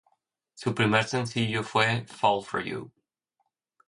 Su primer sencillo fue "Fall for you".